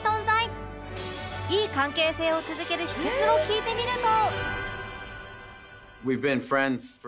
いい関係性を続ける秘訣を聞いてみると